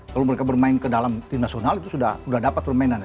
kalau mereka bermain ke dalam tim nasional itu sudah dapat permainannya